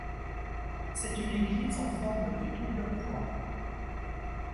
C'est une église en forme de double croix.